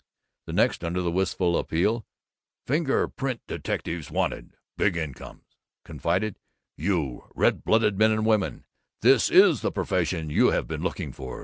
The next, under the wistful appeal "Finger Print Detectives Wanted Big Incomes!" confided: "YOU red blooded men and women this is the PROFESSION you have been looking for.